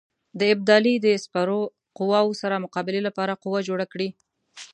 د ابدالي د سپرو قواوو سره مقابلې لپاره قوه جوړه کړي.